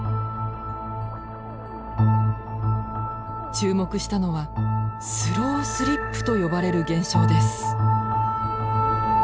注目したのはスロースリップと呼ばれる現象です。